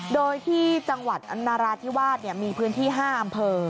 โดยที่จังหวัดนราธิวาสมีพื้นที่๕อำเภอ